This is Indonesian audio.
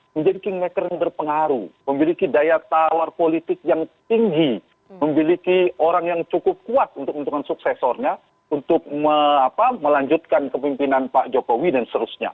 menjadi kingmaker yang berpengaruh memiliki daya tawar politik yang tinggi memiliki orang yang cukup kuat untuk menentukan suksesornya untuk melanjutkan kepimpinan pak jokowi dan seterusnya